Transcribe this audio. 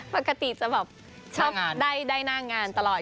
ปกติจะแบบชอบได้หน้างานตลอด